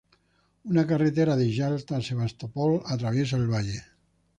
Una carretera de Yalta a Sebastopol atraviesa el valle.